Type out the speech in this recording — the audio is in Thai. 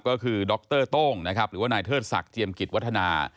ก็คือดรโต้งนะครับหรือว่านายเทิดศักดิ์เจียมกิจวัฒนา